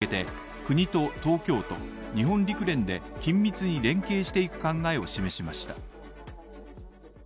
小池知事は、招致に向けて国と東京都、日本陸連で緊密に連携していく考えを示しました。